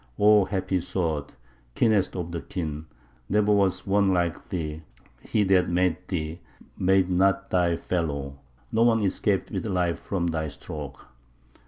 O happy sword, keenest of the keen, never was one like thee; he that made thee, made not thy fellow! Not one escaped with life from thy stroke."